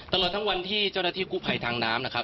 ตลอดทั้งวันที่เจ้าหน้าที่กู้ภัยทางน้ำนะครับ